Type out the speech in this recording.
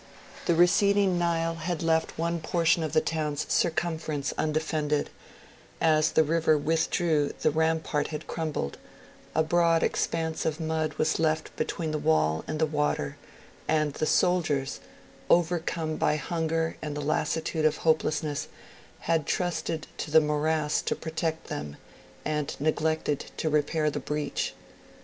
The receding Nile had left one portion of the town's circumference undefended; as the river withdrew, the rampart had crumbled; a broad expanse of mud was left between the wall and the water, and the soldiers, overcome by hunger and the lassitude of hopelessness, had trusted to the morass to protect them, and neglected to repair the breach.